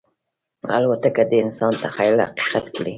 الوتکه د انسان تخیل حقیقت کړی.